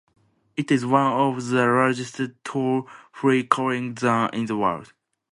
It is one of the largest toll-free calling zones in the world.